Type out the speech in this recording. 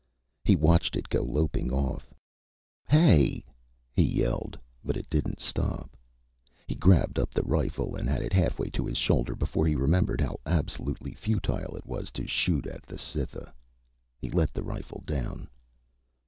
He watched it go loping off. "Hey!" he yelled. But it didn't stop. He grabbed up the rifle and had it halfway to his shoulder before he remembered how absolutely futile it was to shoot at the Cytha. He let the rifle down.